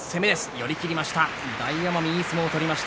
寄り切りました。